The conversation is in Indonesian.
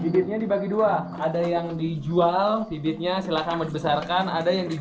dan sekarang waktunya panen